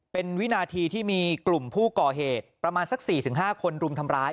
เป็นวินาทีที่มีกลุ่มผู้ก่อเหตุประมาณสัก๔๕คนรุมทำร้าย